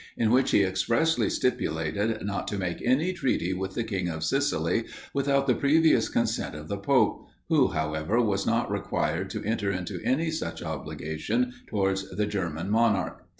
in which he expressly stipulated not to make any treaty with the king of Sicily, without the previous consent of the Pope, who, however, was not required to enter into any such obligation towards the German monarch.